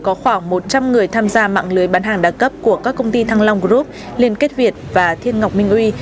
có khoảng một trăm linh người tham gia mạng lưới bán hàng đa cấp của các công ty thăng long group liên kết việt và thiên ngọc minh uy